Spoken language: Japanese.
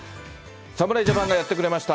侍ジャパンがやってくれました。